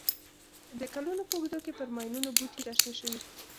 د کلونو په اوږدو کې پر ماینونو بوټي را شنه شوي.